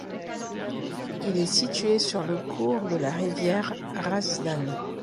Il est situé sur le cours de la rivière Hrazdan.